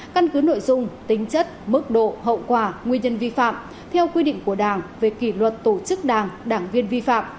căn cứ nội dung tính chất mức độ hậu quả nguyên nhân vi phạm theo quy định của đảng về kỷ luật tổ chức đảng đảng viên vi phạm